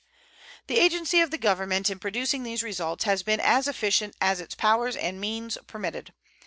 The agency of the Government in producing these results has been as efficient as its powers and means permitted.